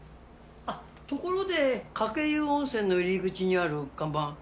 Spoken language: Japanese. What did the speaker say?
あっところで鹿教湯温泉の入り口にある看板